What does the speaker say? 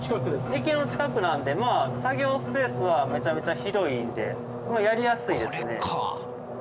駅の近くなんでまあ作業スペースはめちゃめちゃ広いんでやりやすいですね。